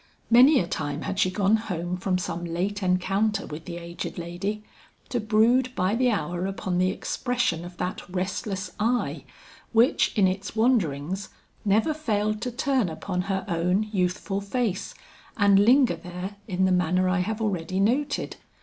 Many a time had she gone home from some late encounter with the aged lady, to brood by the hour upon the expression of that restless eye which in its wanderings never failed to turn upon her own youthful face and linger there in the manner I have already noted.